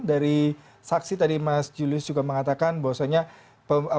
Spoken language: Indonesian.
dari saksi tadi mas julius juga mengatakan bahwasannya